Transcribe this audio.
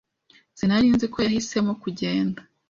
Sinari nzi ko yahisemo kugenda.